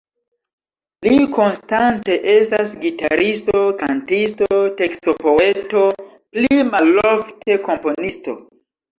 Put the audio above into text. Li konstante estas gitaristo, kantisto, tekstopoeto, pli malofte komponisto.